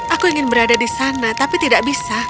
aku ingin berada di sana tapi tidak bisa